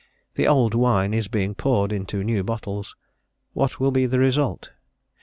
The old wine is being poured into new bottles; what will be the result?